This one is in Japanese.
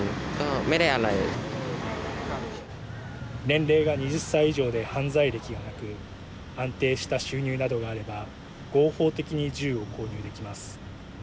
年齢が２０歳以上で犯罪歴がなく安定した収入などがあれば合法的に銃を購入できます。